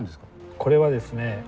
これはですね